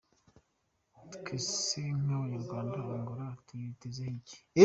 Twe se nk’Abanyarwanda Angola tuyitezeho iki?